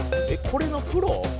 これのプロ？